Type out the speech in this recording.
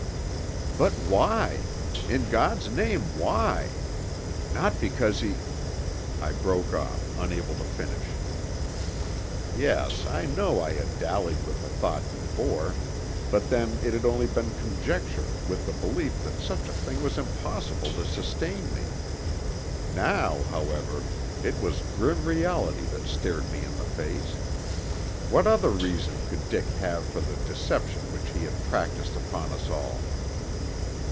"But why? In God's name why? Not because he " I broke off, unable to finish. Yes, I know I had dallied with the thought before, but then it had only been conjecture with the belief that such a thing was impossible to sustain me. Now, however, it was grim reality that stared me in the face. What other reason could Dick have for the deception which he had practised upon us all?